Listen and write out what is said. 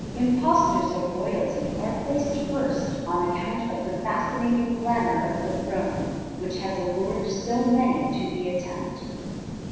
Impostors of royalty are placed first on account of the fascinating glamour of the throne which has allured so many to the attempt.